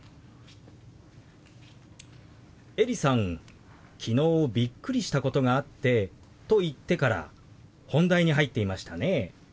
エリさん「昨日びっくりしたことがあって」と言ってから本題に入っていましたね。